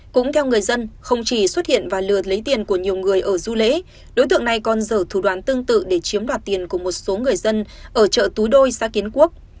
cũng theo người dân không chỉ xuất hiện và lượt lấy tiền của nhiều người ở du lễ đối tượng này còn dở thủ đoán tương tự để chiếm đoạt tiền của một số người dân ở chợ tú đôi xã kiến quốc